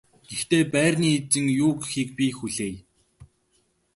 Гэхдээ байрны эзэн юу гэхийг би хүлээе.